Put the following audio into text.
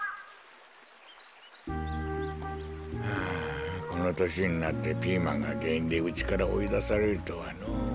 ああこのとしになってピーマンがげんいんでうちからおいだされるとはのう。